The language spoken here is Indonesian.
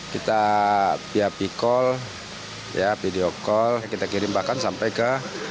kita pihaki call video call kita kirim bahkan sampai ke